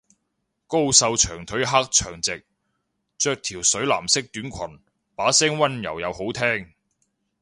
高瘦長腿黑長直，着條水藍色短裙，把聲溫柔又好聽